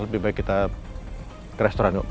lebih baik kita ke restoran yuk